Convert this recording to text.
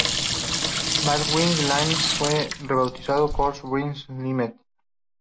Bass Brewers Limited fue rebautizado Coors Brewers Limited.